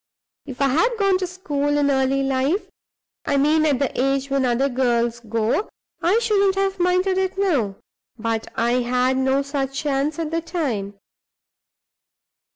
"If I had gone to school in early life I mean at the age when other girls go I shouldn't have minded it now. But I had no such chance at the time.